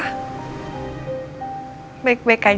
ma kamu baik baik aja kan